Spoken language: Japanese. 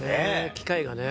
機会がね。